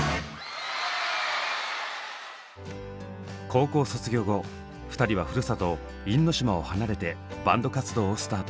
高校卒業後２人はふるさと因島を離れてバンド活動をスタート。